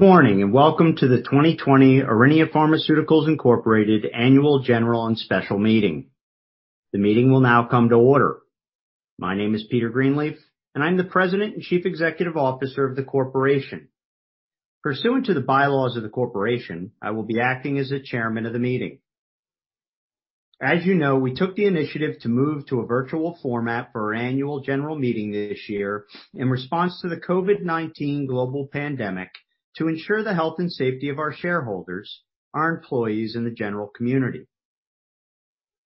Good morning, welcome to the 2020 Aurinia Pharmaceuticals Inc. annual general and special meeting. The meeting will now come to order. My name is Peter Greenleaf, and I'm the President and Chief Executive Officer of the corporation. Pursuant to the bylaws of the corporation, I will be acting as the Chairman of the meeting. As you know, we took the initiative to move to a virtual format for our annual general meeting this year in response to the COVID-19 global pandemic to ensure the health and safety of our shareholders, our employees, and the general community.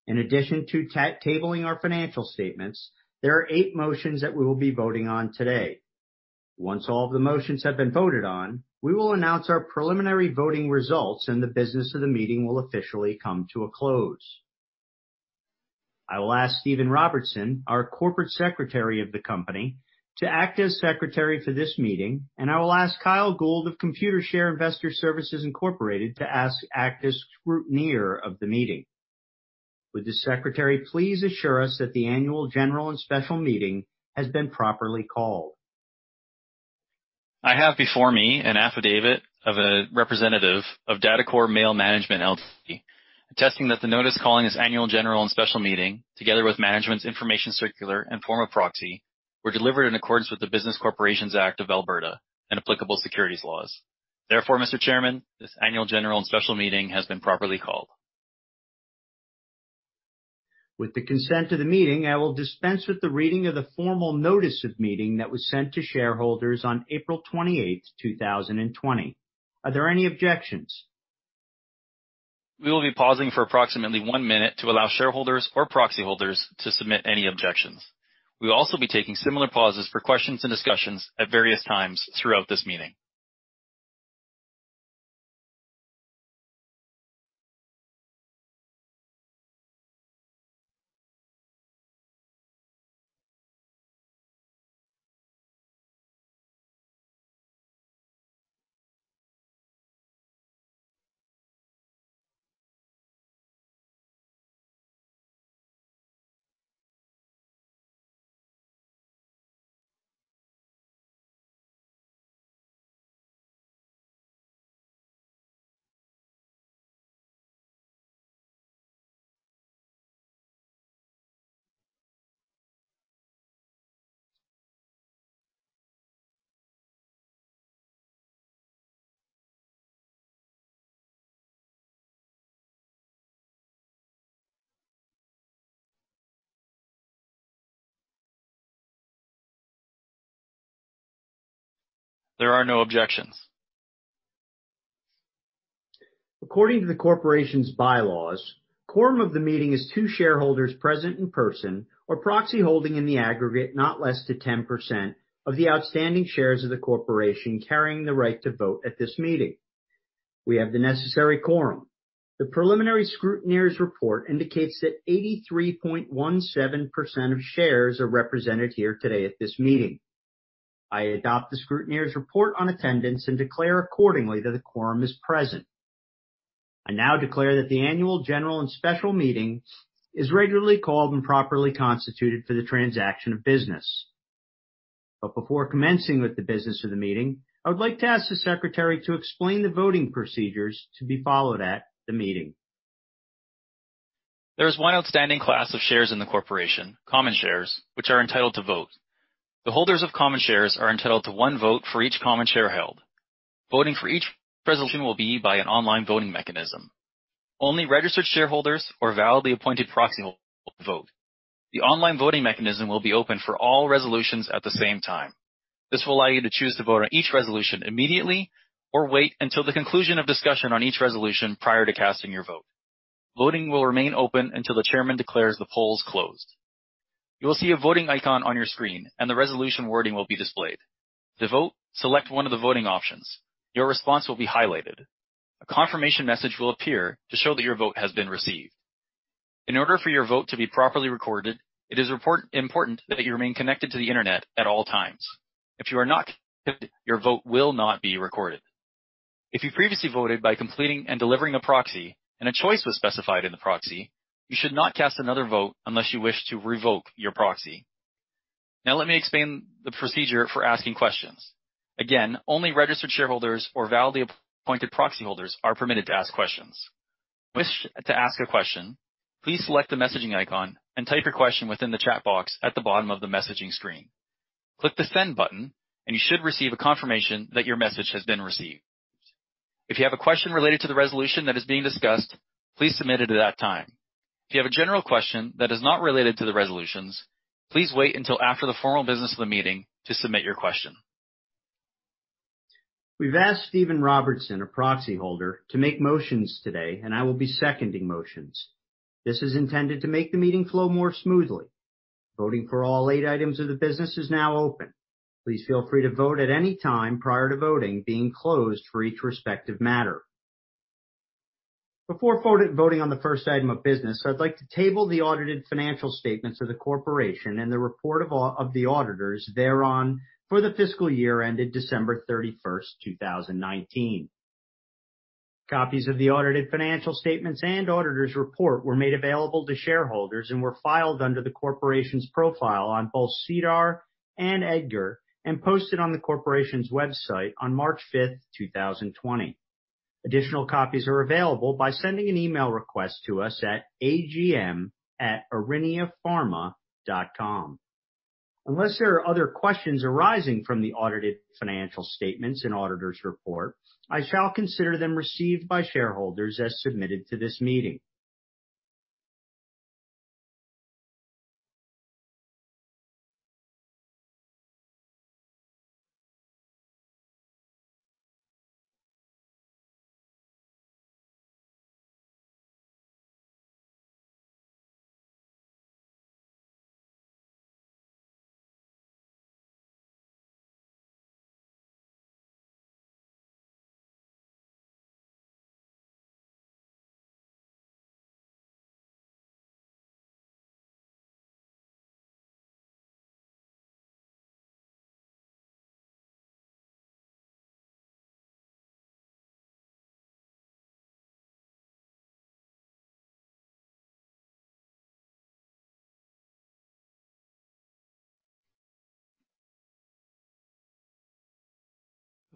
In addition to tabling our financial statements, there are eight motions that we will be voting on today. Once all of the motions have been voted on, we will announce our preliminary voting results, and the business of the meeting will officially come to a close. I will ask Stephen Robertson, our Corporate Secretary of the company, to act as Secretary for this meeting, and I will ask Kyle Gould of Computershare Investor Services Inc. to act as scrutineer of the meeting. Would the Secretary please assure us that the annual general and special meeting has been properly called? I have before me an affidavit of a representative of DataCore Mail Management LLC, attesting that the notice calling this annual, general, and special meeting, together with management's information circular and form of proxy, were delivered in accordance with the Business Corporations Act of Alberta and applicable securities laws. Therefore, Mr. Chairman, this annual, general, and special meeting has been properly called. With the consent of the meeting, I will dispense with the reading of the formal notice of meeting that was sent to shareholders on April twenty-eight, two thousand and twenty. Are there any objections? We will be pausing for approximately one minute to allow shareholders or proxy holders to submit any objections. We will also be taking similar pauses for questions and discussions at various times throughout this meeting. There are no objections. According to the corporation's bylaws, quorum of the meeting is two shareholders present in person or proxy holding in the aggregate, not less to 10% of the outstanding shares of the corporation carrying the right to vote at this meeting. We have the necessary quorum. The preliminary scrutineer's report indicates that 83.17% of shares are represented here today at this meeting. I adopt the scrutineer's report on attendance and declare accordingly that a quorum is present. I now declare that the Annual General and Special Meeting is regularly called and properly constituted for the transaction of business. Before commencing with the business of the meeting, I would like to ask the secretary to explain the voting procedures to be followed at the meeting. There is one outstanding class of shares in the corporation, common shares, which are entitled to vote. The holders of common shares are entitled to one vote for each common share held. Voting for each resolution will be by an online voting mechanism. Only registered shareholders or validly appointed proxy holders will vote. The online voting mechanism will be open for all resolutions at the same time. This will allow you to choose to vote on each resolution immediately or wait until the conclusion of discussion on each resolution prior to casting your vote. Voting will remain open until the chairman declares the polls closed. You will see a voting icon on your screen, and the resolution wording will be displayed. To vote, select one of the voting options. Your response will be highlighted. A confirmation message will appear to show that your vote has been received. In order for your vote to be properly recorded, it is important that you remain connected to the internet at all times. If you are not connected, your vote will not be recorded. If you previously voted by completing and delivering a proxy and a choice was specified in the proxy, you should not cast another vote unless you wish to revoke your proxy. Now, let me explain the procedure for asking questions. Again, only registered shareholders or validly appointed proxy holders are permitted to ask questions. If you wish to ask a question, please select the messaging icon and type your question within the chat box at the bottom of the messaging screen. Click the send button, and you should receive a confirmation that your message has been received. If you have a question related to the resolution that is being discussed, please submit it at that time. If you have a general question that is not related to the resolutions, please wait until after the formal business of the meeting to submit your question. We've asked Stephen Robertson, a proxy holder, to make motions today. I will be seconding motions. This is intended to make the meeting flow more smoothly. Voting for all eight items of the business is now open. Please feel free to vote at any time prior to voting being closed for each respective matter. Before voting on the first item of business, I'd like to table the audited financial statements of the corporation and the report of the auditors thereon for the fiscal year ended December 31st, 2019. Copies of the audited financial statements and auditor's report were made available to shareholders and were filed under the corporation's profile on both SEDAR and EDGAR and posted on the corporation's website on March 5th, 2020. Additional copies are available by sending an email request to us at agm@auriniapharma.com. Unless there are other questions arising from the audited financial statements and auditor's report, I shall consider them received by shareholders as submitted to this meeting.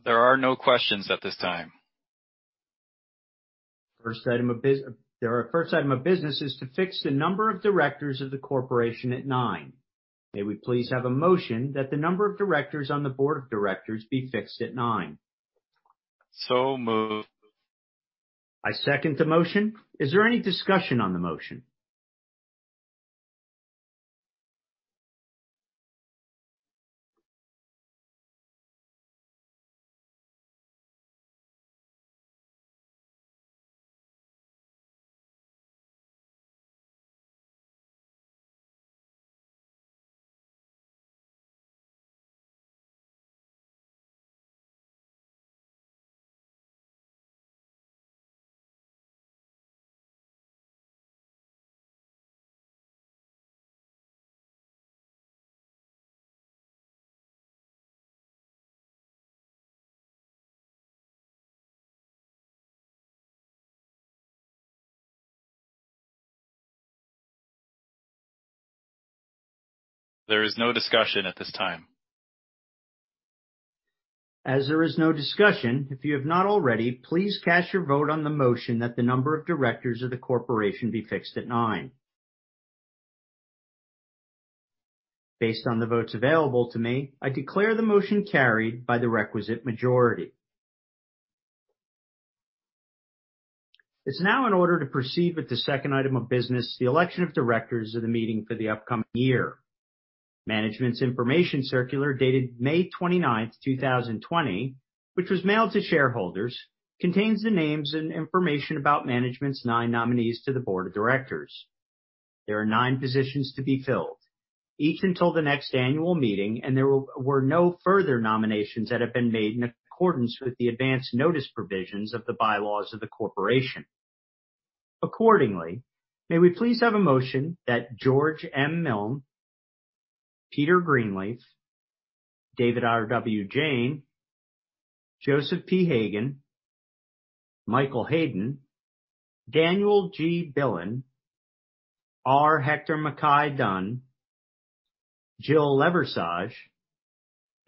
There are no questions at this time. The first item of business is to fix the number of directors of the corporation at nine. May we please have a motion that the number of directors on the board of directors be fixed at nine? So moved. I second the motion. Is there any discussion on the motion? There is no discussion at this time. As there is no discussion, if you have not already, please cast your vote on the motion that the number of directors of the corporation be fixed at nine. Based on the votes available to me, I declare the motion carried by the requisite majority. It's now in order to proceed with the second item of business, the election of directors of the meeting for the upcoming year. Management's information circular dated May 29th, 2020, which was mailed to shareholders, contains the names and information about management's nine nominees to the board of directors. There are nine positions to be filled, each until the next annual meeting. There were no further nominations that have been made in accordance with the advance notice provisions of the bylaws of the corporation. Accordingly, may we please have a motion that George M. Milne, Peter Greenleaf, David R.W. Jayne, Joseph P. Hagan, Michael Hayden, Daniel G. Billen, R. Hector MacKay-Dunn, Jill Leversage,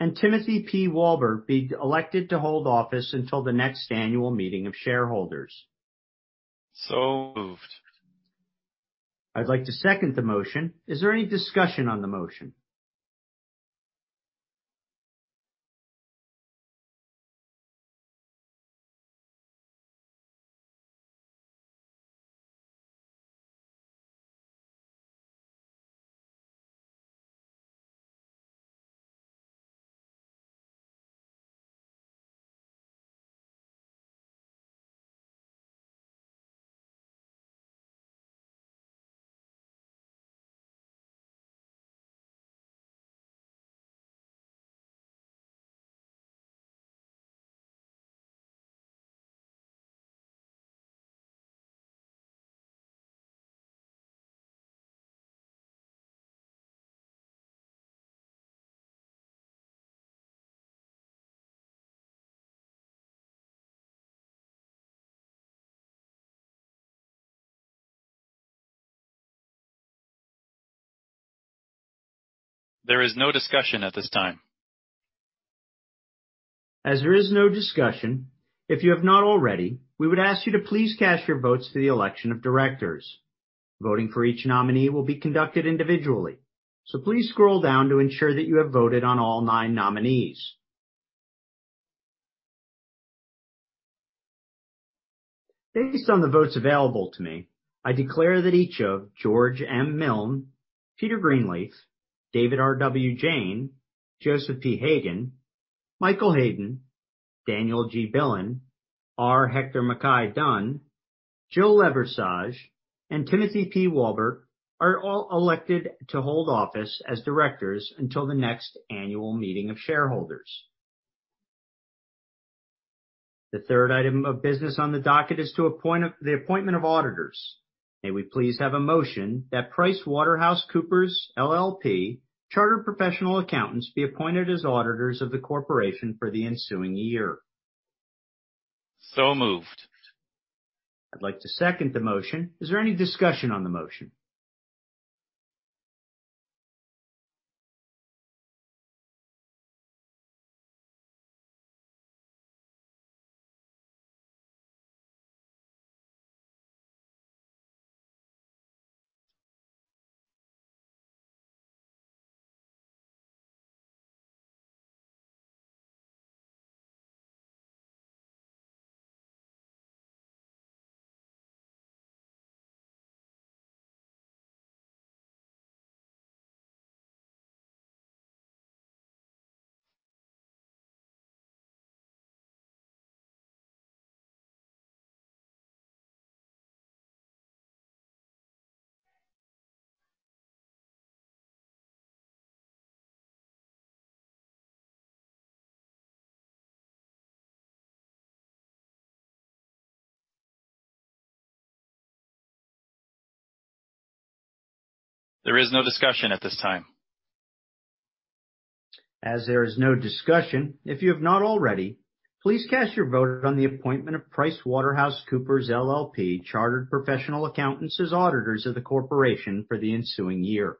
and Timothy P. Walbert be elected to hold office until the next annual meeting of shareholders. So moved. I'd like to second the motion. Is there any discussion on the motion? There is no discussion at this time. As there is no discussion, if you have not already, we would ask you to please cast your votes for the election of directors. Voting for each nominee will be conducted individually, so please scroll down to ensure that you have voted on all nine nominees. Based on the votes available to me, I declare that each of George M. Milne, Peter Greenleaf, David R.W. Jayne, Joseph P. Hagan, Michael Hayden, Daniel G. Billen, R. Hector MacKay-Dunn, Jill Leversage, and Timothy P. Walbert are all elected to hold office as directors until the next annual meeting of shareholders. The third item of business on the docket is the appointment of auditors. May we please have a motion that PricewaterhouseCoopers LLP, chartered professional accountants, be appointed as auditors of the corporation for the ensuing year. Moved. I'd like to second the motion. Is there any discussion on the motion? There is no discussion at this time. As there is no discussion, if you have not already, please cast your vote on the appointment of PricewaterhouseCoopers LLP, chartered professional accountants, as auditors of the corporation for the ensuing year.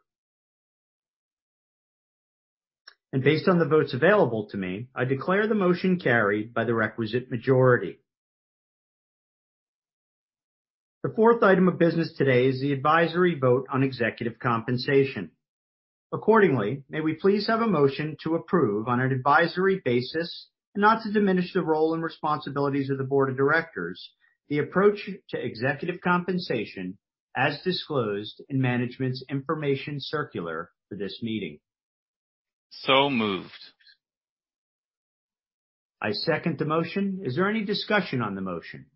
Based on the votes available to me, I declare the motion carried by the requisite majority. The fourth item of business today is the advisory vote on executive compensation. Accordingly, may we please have a motion to approve, on an advisory basis, and not to diminish the role and responsibilities of the board of directors, the approach to executive compensation as disclosed in management's information circular for this meeting. Moved. I second the motion. Is there any discussion on the motion?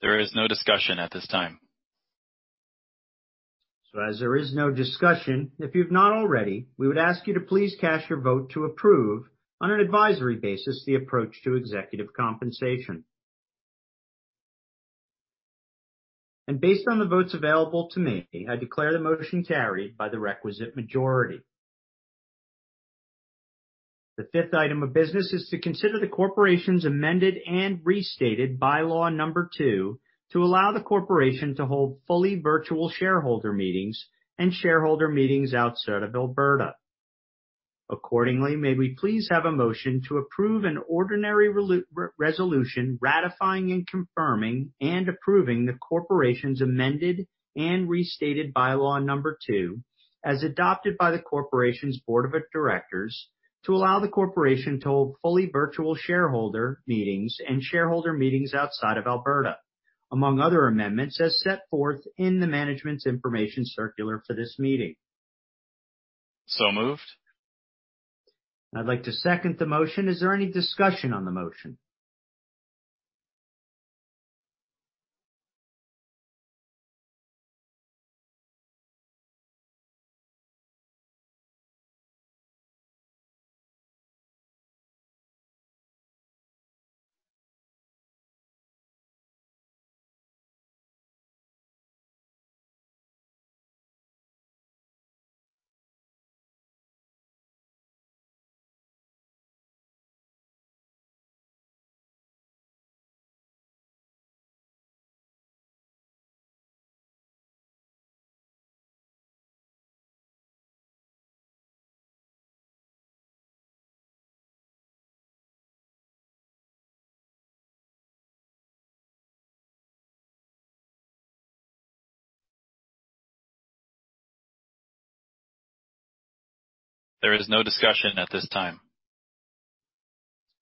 There is no discussion at this time. As there is no discussion, if you've not already, we would ask you to please cast your vote to approve, on an advisory basis, the approach to executive compensation. Based on the votes available to me, I declare the motion carried by the requisite majority. The fifth item of business is to consider the corporation's amended and restated bylaw number 2, to allow the corporation to hold fully virtual shareholder meetings and shareholder meetings outside of Alberta. Accordingly, may we please have a motion to approve an ordinary resolution ratifying and confirming and approving the corporation's amended and restated bylaw number 2, as adopted by the corporation's board of directors to allow the corporation to hold fully virtual shareholder meetings and shareholder meetings outside of Alberta, among other amendments, as set forth in the management's information circular for this meeting. Moved. I'd like to second the motion. Is there any discussion on the motion? There is no discussion at this time.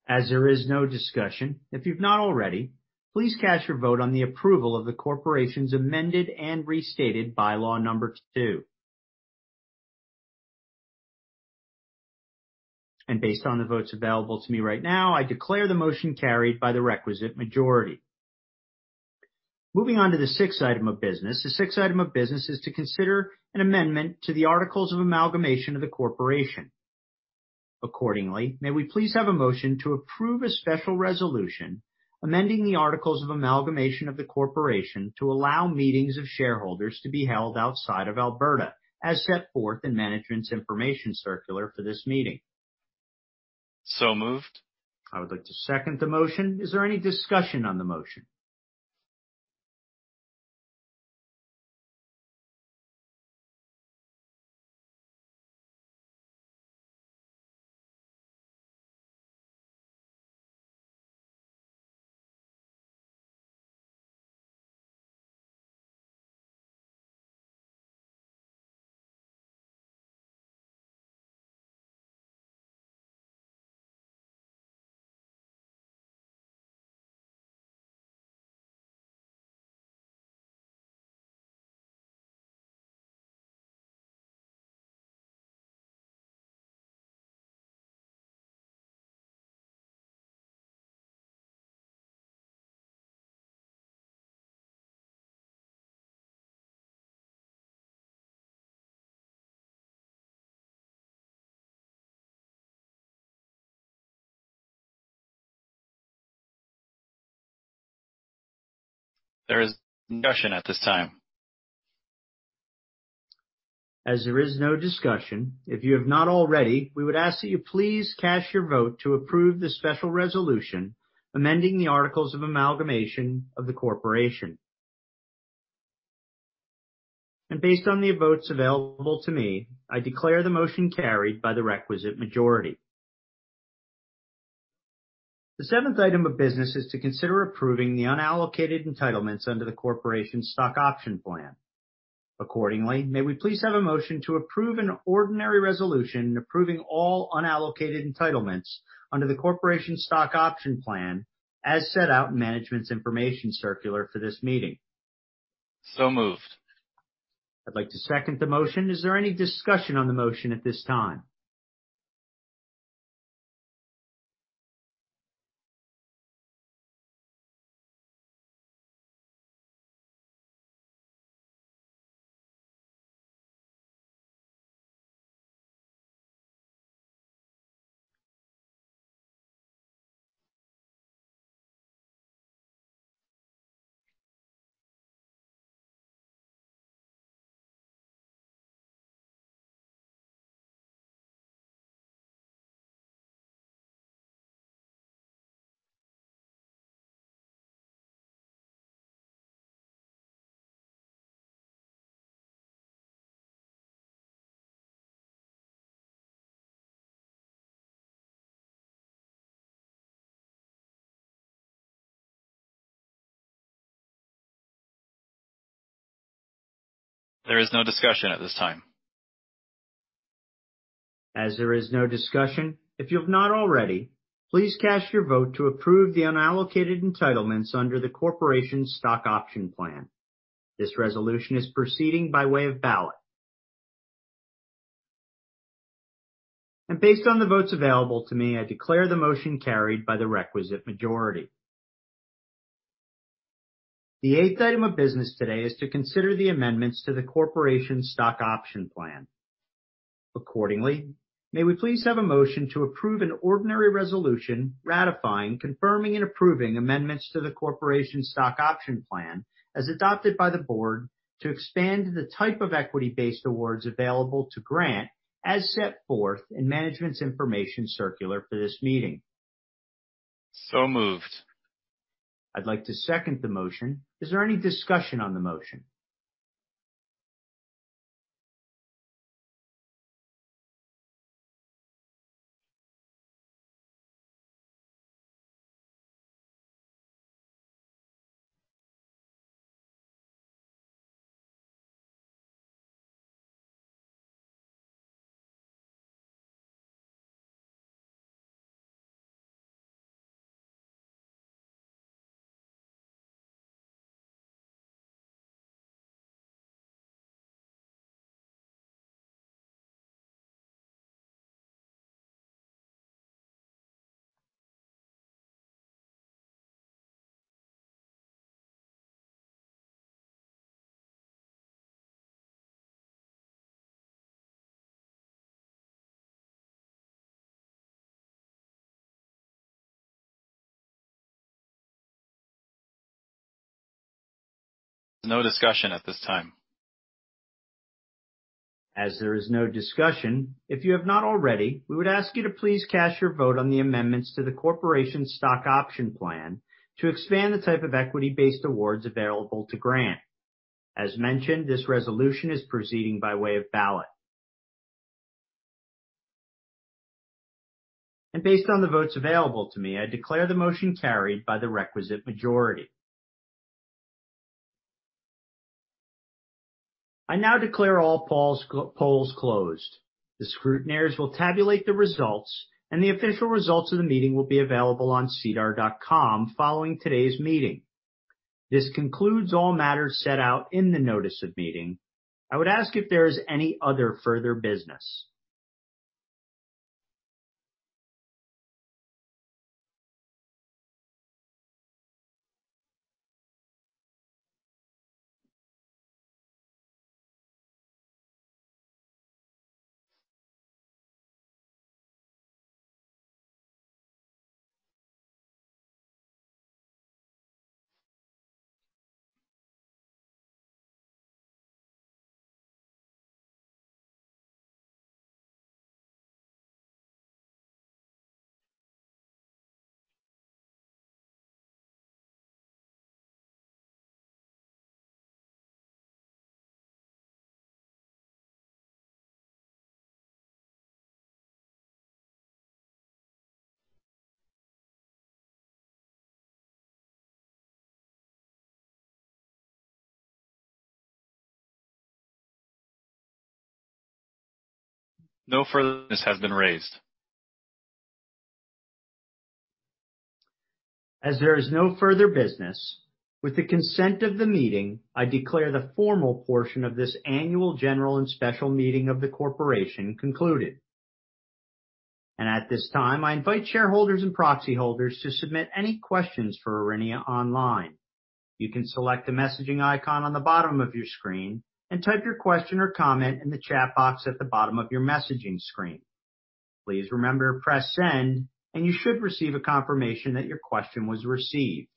As there is no discussion, if you've not already, please cast your vote on the approval of the corporation's amended and restated bylaw number 2. Based on the votes available to me right now, I declare the motion carried by the requisite majority. Moving on to the sixth item of business. The sixth item of business is to consider an amendment to the articles of amalgamation of the corporation. Accordingly, may we please have a motion to approve a special resolution amending the articles of amalgamation of the corporation to allow meetings of shareholders to be held outside of Alberta, as set forth in management's information circular for this meeting. Moved. I would like to second the motion. Is there any discussion on the motion? There is no discussion at this time. As there is no discussion, if you have not already, we would ask that you please cast your vote to approve the special resolution amending the articles of amalgamation of the corporation. Based on the votes available to me, I declare the motion carried by the requisite majority. The seventh item of business is to consider approving the unallocated entitlements under the corporation's stock option plan. Accordingly, may we please have a motion to approve an ordinary resolution approving all unallocated entitlements under the corporation's stock option plan, as set out in management's information circular for this meeting. So moved. I'd like to second the motion. Is there any discussion on the motion at this time? There is no discussion at this time. As there is no discussion, if you have not already, please cast your vote to approve the unallocated entitlements under the corporation's stock option plan. This resolution is proceeding by way of ballot. Based on the votes available to me, I declare the motion carried by the requisite majority. The eighth item of business today is to consider the amendments to the corporation's stock option plan. Accordingly, may we please have a motion to approve an ordinary resolution ratifying, confirming, and approving amendments to the corporation's stock option plan as adopted by the board to expand the type of equity-based awards available to grant, as set forth in management's information circular for this meeting. So moved. I'd like to second the motion. Is there any discussion on the motion? No discussion at this time. As there is no discussion, if you have not already, we would ask you to please cast your vote on the amendments to the corporation's stock option plan to expand the type of equity-based awards available to grant. As mentioned, this resolution is proceeding by way of ballot. Based on the votes available to me, I declare the motion carried by the requisite majority. I now declare all polls closed. The scrutineers will tabulate the results, and the official results of the meeting will be available on sedar.com following today's meeting. This concludes all matters set out in the notice of meeting. I would ask if there is any other further business. No further business has been raised. As there is no further business, with the consent of the meeting, I declare the formal portion of this annual general and special meeting of the corporation concluded. At this time, I invite shareholders and proxy holders to submit any questions for Aurinia online. You can select the messaging icon on the bottom of your screen and type your question or comment in the chat box at the bottom of your messaging screen. Please remember to press send, and you should receive a confirmation that your question was received.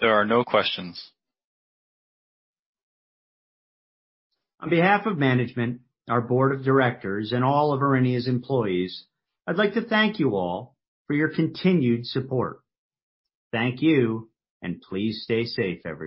There are no questions. On behalf of management, our board of directors, and all of Aurinia's employees, I'd like to thank you all for your continued support. Thank you, and please stay safe, everyone.